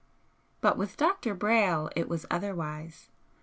But with Dr. Brayle it was otherwise.